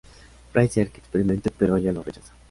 Fraiser que experimente, pero ella lo rechaza.